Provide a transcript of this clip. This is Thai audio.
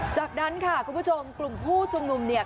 จากนั้นค่ะคุณผู้ชมนุมเนี่ย